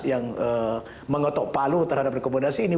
yang mengetok palu terhadap rekomendasi ini